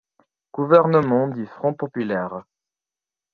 Gouvernement du Front populaire.